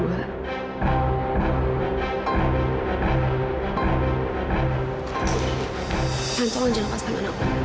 man tolong jangan lepas tangan aku